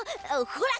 ほら！